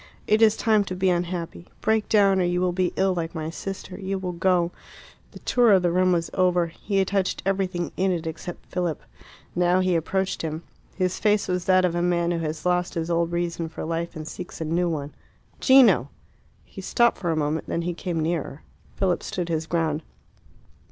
"It is time to be unhappy. Break down or you will be ill like my sister. You will go " The tour of the room was over. He had touched everything in it except Philip. Now he approached him. He face was that of a man who has lost his old reason for life and seeks a new one. "Gino!" He stopped for a moment; then he came nearer. Philip stood his ground.